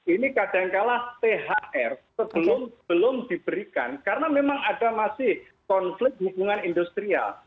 ini kadangkala thr sebelum diberikan karena memang ada masih konflik hubungan industrial